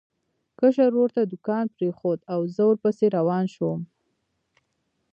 کشر ورور ته دوکان پرېښود او زه ورپسې روان شوم.